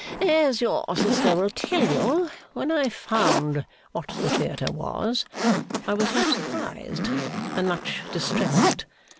'As your sister will tell you, when I found what the theatre was I was much surprised and much distressed.